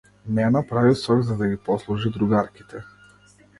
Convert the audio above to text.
Нена прави сок за да ги послужи другарките.